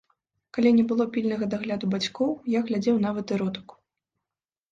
Калі не было пільнага дагляду бацькоў, я глядзеў нават эротыку.